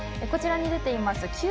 こちらに出ています